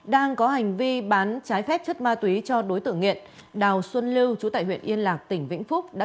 đang có hành vi bán trái phép chất ma túy cho đối tượng nghiện đào xuân lưu trú tại huyện yên lạc tỉnh vĩnh phúc đã